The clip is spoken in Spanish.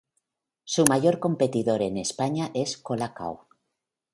Su mayor competidor en España es Cola Cao.